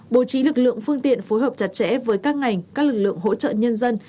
bố trí lực lượng phương tiện phối hợp chặt chẽ với các ngành các lực lượng hỗ trợ nhân dân